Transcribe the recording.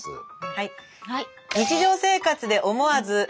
はい。